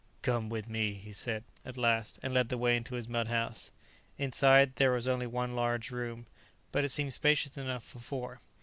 "Come with me," he said at last, and led the way into his mud house. Inside, there was only one large room, but it seemed spacious enough for four.